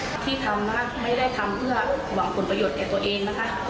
ที่ทำนะไม่ได้ทำเพื่อหวังผลประโยชน์แก่ตัวเองนะคะ